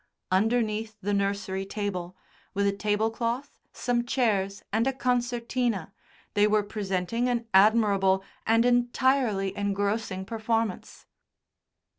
Underneath the nursery table, with a tablecloth, some chairs and a concertina, they were presenting an admirable and entirely engrossing performance.